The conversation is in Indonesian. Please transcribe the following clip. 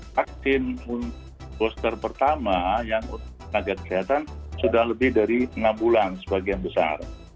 vaksin booster pertama yang untuk tenaga kesehatan sudah lebih dari enam bulan sebagian besar